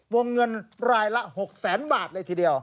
วงเงินรายละ๖แสนบาทเลยทีเดียว